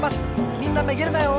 みんなめげるなよ！